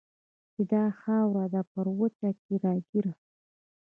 چې دا خاوره ده پر وچه کې راګېره